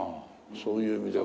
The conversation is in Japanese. そういう意味では。